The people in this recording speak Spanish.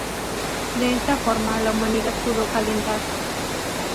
De esta forma la humanidad pudo calentarse.